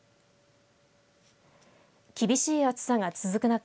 厳しい暑さが続く中